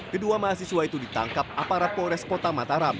kedua mahasiswa itu ditangkap aparat polres kota mataram